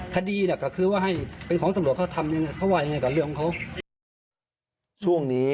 คดีก็คือว่าให้เป็นของสำรวจ